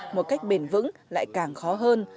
một cách bền vững lại càng khó hơn